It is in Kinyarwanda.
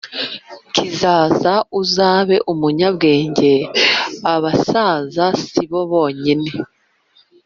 kizaza uzabe umunyabwenge Abasaza si bo bonyine